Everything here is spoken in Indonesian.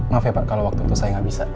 maaf ya pak kalau waktu itu saya nggak bisa